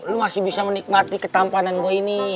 lu masih bisa menikmati ketampanan gue ini